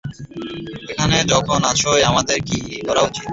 এখানে যখন আছোই, আমাদের এখন কী করা উচিৎ?